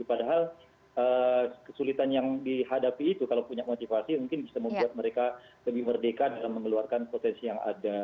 padahal kesulitan yang dihadapi itu kalau punya motivasi mungkin bisa membuat mereka lebih merdeka dalam mengeluarkan potensi yang ada